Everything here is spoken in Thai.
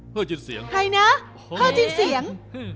เพ้าจินเสียงใครนะเพ้าจินเสียง